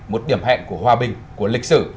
một điểm hẹn của hòa bình của lịch sử